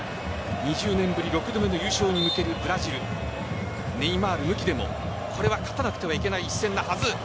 ２０年ぶり６度目の優勝に向けてブラジルネイマール抜きでもこれは勝たなくてはいけない一戦のはず。